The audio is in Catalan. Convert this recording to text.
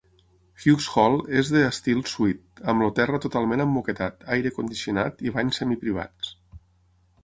Hughes Hall és de estil suite, amb el terra totalment emmoquetat, aire condicionat i banys semiprivats.